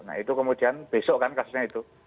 nah itu kemudian besok kan kasusnya itu